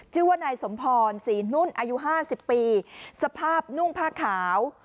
ชื่อว่านายสมพรศรีนุ่นอายุ๕๐ปีสภาพนุ่งผ้าขาว